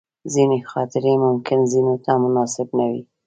ځینې خاطرې ممکن ځینو ته مناسبې نه وي.